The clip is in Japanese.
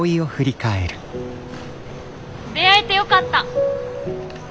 出会えてよかった。